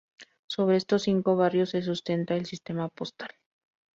Sobre estos cinco barrios se sustenta el sistema postal.